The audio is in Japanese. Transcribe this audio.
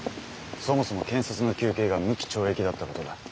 そもそも検察の求刑が無期懲役だったことだ。